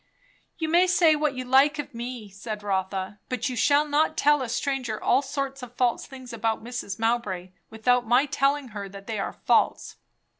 "You may say what you like of me," said Rotha; "but you shall not tell a stranger all sorts of false things about Mrs. Mowbray, without my telling her that they are false."